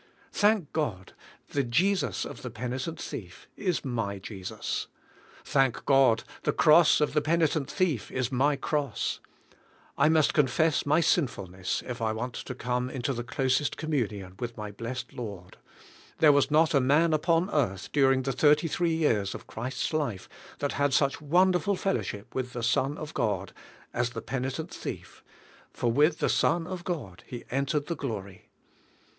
Thank God, the Jesus of the penitent thief is my Jesus. Thank God, the cross of the penitent thief is my cross. I must confess my sinfulness if I want to come into the closest communion with my blessed Lord. There was not a man upon earth during the thirty three years of Christ's life that had such wonderful fellowship with the Son of God, as the penitent thief, for with the Son of God he entered the glory.